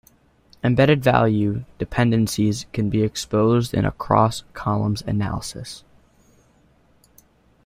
Embedded value dependencies can be exposed in a cross-columns analysis.